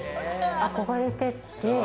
憧れてて。